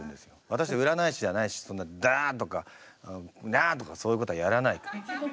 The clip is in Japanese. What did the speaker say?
私占い師じゃないしそんな「ダア」とか「ヤ」とかそういうことはやらないから。